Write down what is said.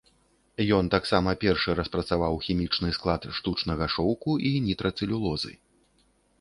Ён таксама першы распрацаваў хімічны склад штучнага шоўку і нітрацэлюлозы.